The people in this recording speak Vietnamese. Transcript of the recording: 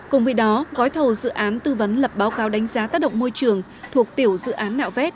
cùng với đó gói thầu dự án tư vấn lập báo cáo đánh giá tác động môi trường thuộc tiểu dự án nạo vét